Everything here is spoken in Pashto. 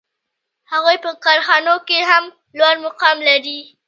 هغوی په کارخانو کې هم لوړ مقام لري